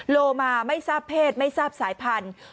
โลมาไม่ทราบเพศไม่ทราบสายพันธุ์